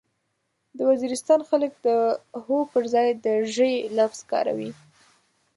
د وزيرستان خلک د هو پرځای د ژې لفظ کاروي.